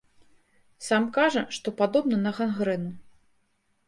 Сам кажа, што падобна на гангрэну.